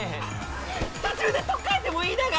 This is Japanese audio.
途中で取っ替えてもいいだが！